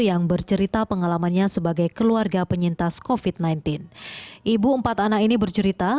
yang bercerita pengalamannya sebagai keluarga penyintas kofit sembilan belas ibu empat anak ini bercerita